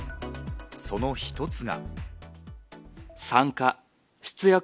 その一つが。